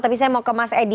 tapi saya mau ke mas edi